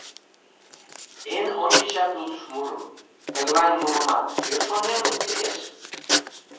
Эн ончычак лудыш мурым, тыглай мурымат кӧ шонен луктеш?